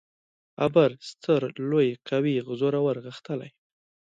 ابر: ستر ، لوی ، قوي، زورور، غښتلی